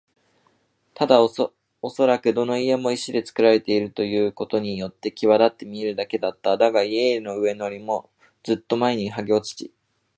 ただおそらくどの家も石でつくられているということによってきわだって見えるだけだった。だが、家々の上塗りもずっと前にはげ落ち、